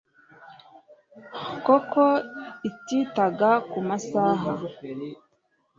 kuko ititaga ku masaha